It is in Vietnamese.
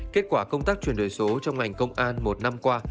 kết quả công tác chuyển đổi số trong ngành công an một năm qua